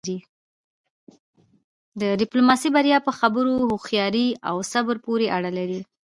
د ډیپلوماسی بریا په خبرو، هوښیارۍ او صبر پورې اړه لری.